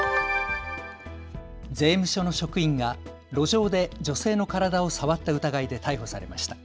税務署の職員が路上で女性の体を触った疑いで逮捕されました。